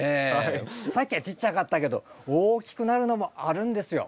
さっきはちっちゃかったけど大きくなるのもあるんですよええ。